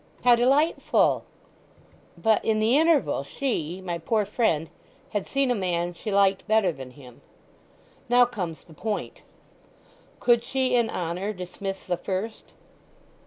"How delightful!" "But in the interval she—my poor friend—had seen a man, she liked better than him. Now comes the point: Could she in honour dismiss the first?"